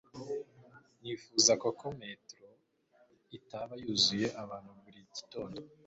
Nifuzaga ko metro itaba yuzuye abantu buri gitondo